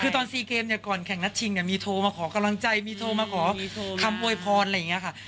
คือตอน๔เกมเนี่ยก่อนแข่งนัดชิงเนี่ยมีโทรมาขอกำลังใจมีโทรมาขอคำโวยพรอะไรอย่างนี้ค่ะ